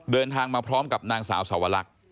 เดินทางมาพร้อมกับนางสาวสวรรค